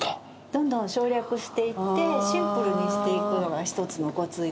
どんどん省略していってシンプルにしていくのが一つのコツになります。